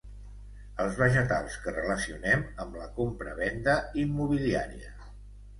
Els vegetals que relacionem amb la compra-venda immobiliària.